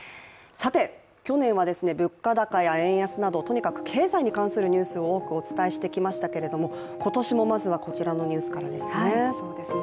さて、去年は物価高や円安などとにかく経済に関するニュースを多くお伝えしてきましたけれども今年もまずはこちらのニュースからですね。